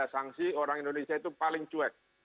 sanksi orang indonesia itu paling cuek